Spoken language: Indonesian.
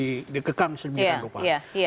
ini dikekang sedemikian rupa